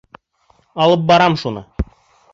— Алып барам шуны.